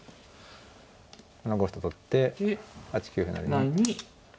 ７五歩と取って８九歩成に。